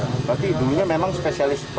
berarti dunia memang spesialis pekerjaan